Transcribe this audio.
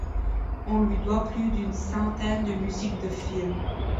On lui doit plus d'une centaine de musiques de film.